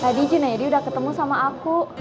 tadi junaid udah ketemu sama aku